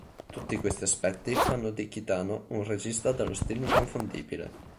Tutti questi aspetti fanno di Kitano un regista dallo stile inconfondibile.